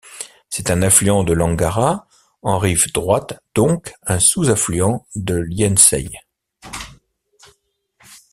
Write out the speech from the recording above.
C'est un affluent de l'Angara en rive droite donc un sous-affluent de l'Ienisseï.